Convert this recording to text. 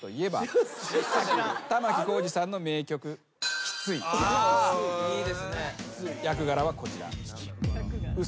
玉置浩二さんの名曲『キ・ツ・イ』役柄はこちら。